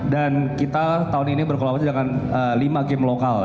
dan kita tahun ini berkelabar dengan lima game lokal